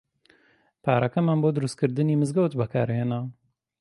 پارەکەمان بۆ دروستکردنی مزگەوت بەکار هێنا.